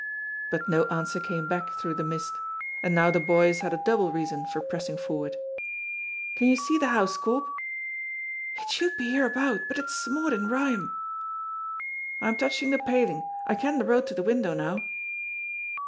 but no answer came back through the mist, and now the boys had a double reason for pressing forward. "Can you see the house, Corp?" "It should be here about, but it's smored in rime." "I'm touching the paling. I ken the road to the window now."